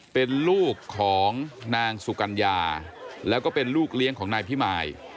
เป็นลูกของนางสุกัญญาแล้วก็เป็นลูกเลี้ยงของนายพิมาย